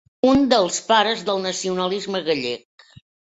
Un dels pares del nacionalisme gallec.